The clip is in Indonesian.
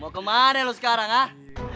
mau ke mana lu sekarang ah